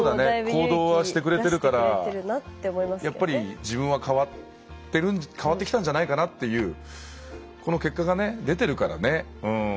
行動はしてくれてるから自分は変わってきたんじゃないかなっていうこの結果が出てるからね。